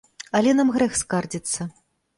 Але нам грэх скардзіцца.